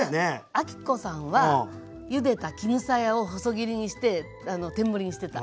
昭子さんはゆでた絹さやを細切りにして天盛りにしてた。